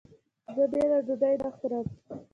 زه بېله ډوډۍ نه خورم.